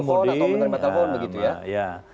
telepon atau menerima telepon begitu ya